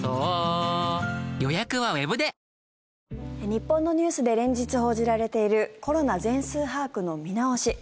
日本のニュースで連日報じられているコロナ全数把握の見直し。